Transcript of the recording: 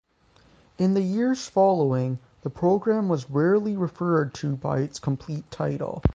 In the years following, the program was rarely referred to by its complete title.